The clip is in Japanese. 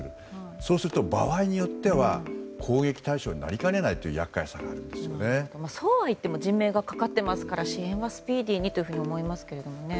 そうすると、場合によっては攻撃対象になりかねないという人命がかかっていますから支援はスピーディーにと思いますけどね。